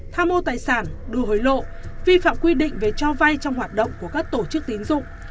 tham mô tài sản đưa hối lộ vi phạm quy định về cho vay trong hoạt động của các tổ chức tín dụng